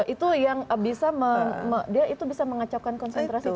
itu yang bisa dia itu bisa mengacaukan konsentrasi calon